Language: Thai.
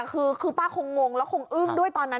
คือป้าคงงแล้วคงอึ้งด้วยตอนนั้น